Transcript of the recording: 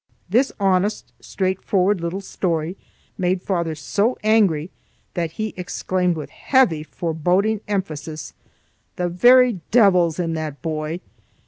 This honest, straightforward little story made father so angry that he exclaimed with heavy, foreboding emphasis: "The very deevil's in that boy!"